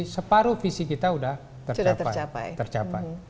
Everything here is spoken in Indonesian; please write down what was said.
separuh visi kita sudah tercapai